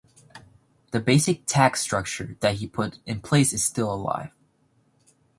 The basic tax structure that he put in place is still alive.